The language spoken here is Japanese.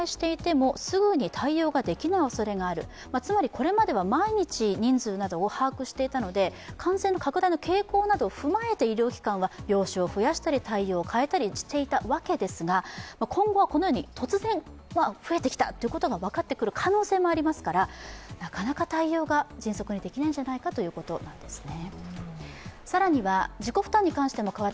これまでは毎日人数などを把握していたので感染の拡大の傾向などを踏まえて医療機関は病床を増やしたり、対応を変えていたわけですが、今後はこのように突然増えてきたということが分かってくる可能性もありますからなかなか対応が迅速にできないんじゃないかということなんですね。